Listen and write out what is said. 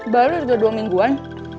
baru udah dua mingguan